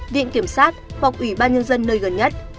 viện kiểm sát hoặc ủy ban nhân dân nơi gần nhất